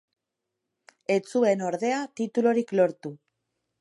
Ez zuen ordea titulurik lortu.